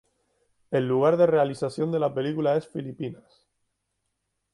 El lugar de realización de la película es Filipinas.